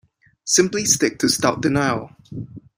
Simply stick to stout denial.